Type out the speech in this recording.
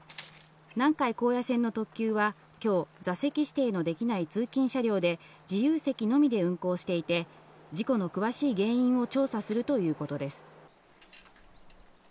南海高野線の特急は座席指定のできない通勤車両で、自由席のみで運行していて、事故の詳しい原因を調査するということです。